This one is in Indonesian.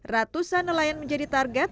ratusan nelayan menjadi target